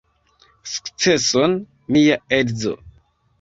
Sukceson, mia edzo!